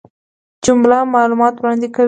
جمله معلومات وړاندي کوي.